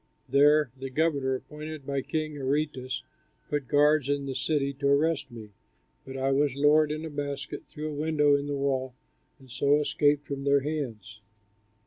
There the governor, appointed by King Aretas, put guards in the city to arrest me, but I was lowered in a basket through a window in the wall and so escaped from their hands.